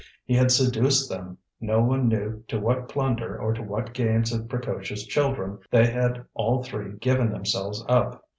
He had seduced them; no one knew to what plunder or to what games of precocious children they had all three given themselves up.